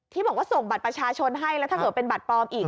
ที่บอกว่าส่งบัตรประชาชนให้แล้วถ้าเกิดเป็นบัตรปลอมอีก